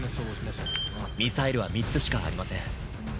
ミサイルは３つしかありません。